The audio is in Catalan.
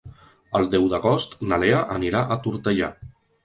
El deu d'agost na Lea anirà a Tortellà.